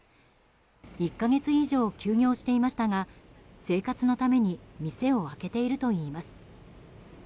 １か月以上休業していましたが生活のために店を開けているといいます。